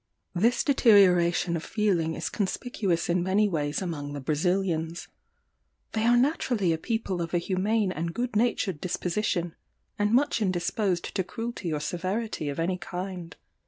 "This deterioration of feeling is conspicuous in many ways among the Brazilians. They are naturally a people of a humane and good natured disposition, and much indisposed to cruelty or severity of any kind.